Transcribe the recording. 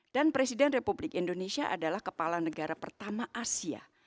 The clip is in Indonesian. dan presiden republik indonesia adalah kepala negara pertama asia